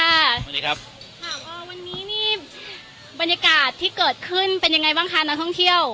สวัสดีครับค่ะวันนี้นี่บรรยากาศที่เกิดขึ้นเป็นยังไงบ้างคะนักท่องเที่ยว